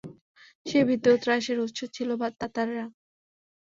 সে ভীতি ও ত্রাসের উৎস ছিল তাতাররা।